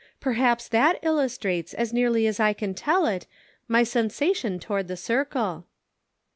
Perhaps that illustrates, as nearly as I can tell it, my sensations toward the circle."